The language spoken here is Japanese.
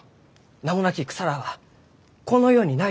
名もなき草らあはこの世にないき。